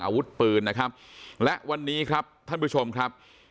อาวุธปืนนะครับและวันนี้ครับท่านผู้ชมครับ